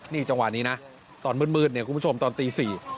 นี่จังหวะนี้นะตอนมืดเนี่ยคุณผู้ชมตอนตี๔